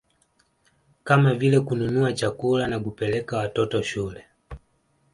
Kama vile kununua chakula na kupeleka watoto shule